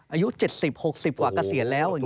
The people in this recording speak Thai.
อายุ๗๐๖๐กว่ากระเศียรแล้ว